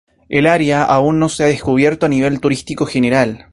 El área aún no se ha descubierto a nivel turístico general.